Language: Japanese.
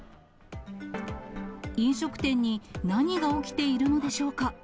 飲食店に何が起きているのでしょうか。